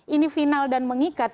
ini final dan mengikat